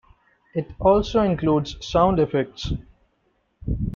It also includes sound effects.